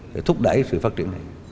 để thúc đẩy sự phát triển này